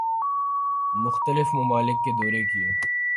مختلف ممالک کا دورہ کیے